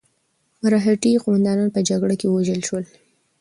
مرهټي قوماندانان په جګړه کې ووژل شول.